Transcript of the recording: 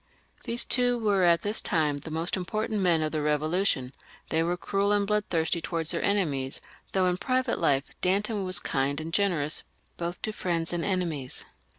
These two were at this time the most important men of the Eevolu tion; they were cruel and bloodthirsty towards their enemies, though in private life Danton was kind and generous both to friends and enemies.